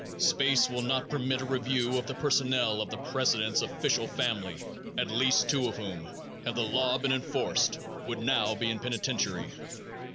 Space will not permit a review of the personnel of the president's official family, at least two of whom, had the law been enforced, would now be in penitentiary.